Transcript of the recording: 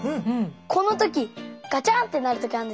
この時ガチャンってなる時あるんです。